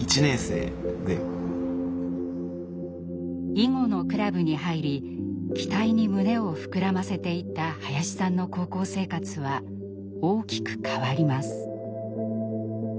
囲碁のクラブに入り期待に胸を膨らませていた林さんの高校生活は大きく変わります。